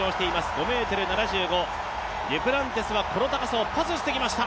５ｍ７５、デュプランティスはこの高さをパスしてきました。